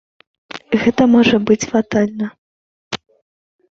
Гэта можа быць фатальна.